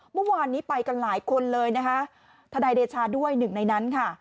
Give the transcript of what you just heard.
เมื่อวานนี้ไปกันหลายคนเลยนะคะทนายเดชาด้วยหนึ่งในนั้นค่ะ